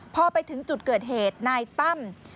พอไปถึงจุดเกิดเหตุนายตั้ม